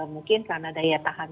mungkin karena daya tahan